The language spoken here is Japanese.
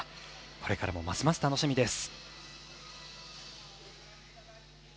これからもますます楽しみです。